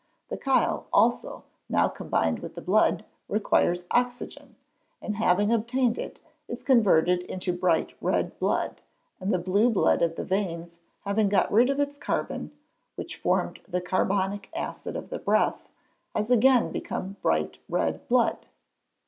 The chyle, also, now combined with the blood, requires oxygen, and having obtained it, is converted into bright red blood, and the blue blood of the veins, having got rid of its carbon, which formed the carbonic acid of the breath, has again become bright red blood.